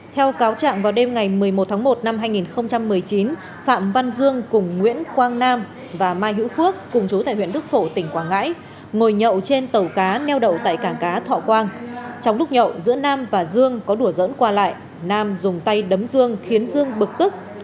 trong lúc nhậu giữa nam và dương có đùa dẫn qua lại nam dùng tay đấm dương khiến dương bực tức